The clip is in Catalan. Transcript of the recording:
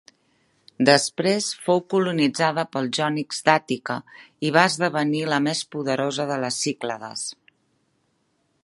Després, fou colonitzada pels jònics d'Àtica i va esdevenir la més poderosa de les Cíclades.